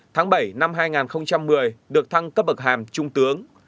tháng bảy năm hai nghìn một mươi được thăng cấp bậc hàm trung tướng